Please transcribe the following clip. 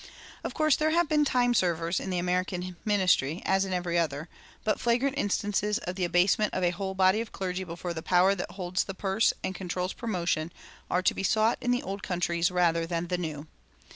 Of course there have been time servers in the American ministry, as in every other; but flagrant instances of the abasement of a whole body of clergy before the power that holds the purse and controls promotion are to be sought in the old countries rather than the new.